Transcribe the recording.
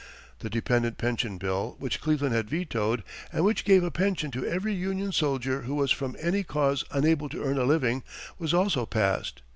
The Dependent Pension Bill, which Cleveland had vetoed, and which gave a pension to every Union soldier who was from any cause unable to earn a living, was also passed.